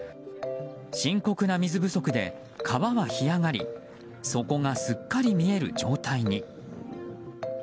深刻な水不足で川は干上がり底がすっかり見える状態に。